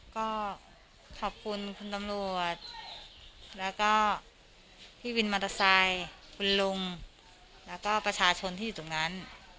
ก็ขอบคุณคุณตำรวจแล้วก็พี่วินมอเตอร์ไซค์คุณลุงแล้วก็ประชาชนที่อยู่ตรงนั้น